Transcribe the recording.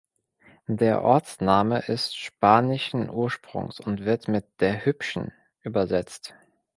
Der Ortsname ist spanischen Ursprungs und wird mit „der Hübschen“ übersetzt.